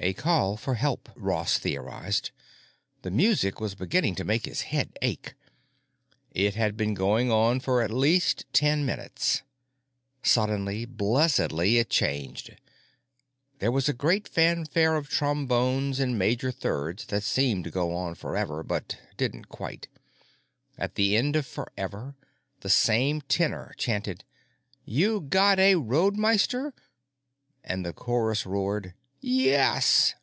A call for help, Ross theorized. The music was beginning to make his head ache. It had been going on for at least ten minutes. Suddenly, blessedly, it changed. There was a great fanfare of trombones in major thirds that seemed to go on forever, but didn't quite. At the end of forever, the same tenor chanted: "You got a Roadmeister?" and the chorus roared: "_YES!